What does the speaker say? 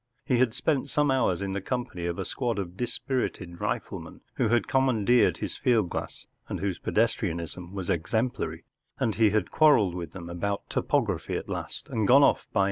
He had spent some hours in the company of a squad of dispirited rifle¬ men, who had commandeered his field glass and whose pedestrianism was exemplary, and he had quarrelled with them about topography at last, and gone off by